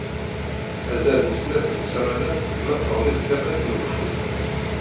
Azal n snat n ssamanat ma teɣli-d tiqqit n ugeffur.